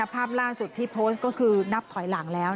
ภาพล่าสุดที่โพสต์ก็คือนับถอยหลังแล้ว